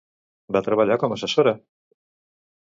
Va treballar com a assessora?